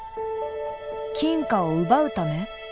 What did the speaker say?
金貨を奪うため？